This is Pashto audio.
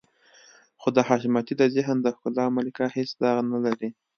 خو د حشمتي د ذهن د ښکلا ملکه هېڅ داغ نه لري.